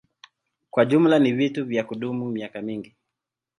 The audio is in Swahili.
Kwa jumla ni vitu vya kudumu miaka mingi.